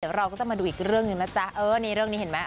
เดี๋ยวเราก็จะมาดูอีกเรื่องหนึ่งนะจ๊ะเออนี่เรื่องนี้เห็นไหม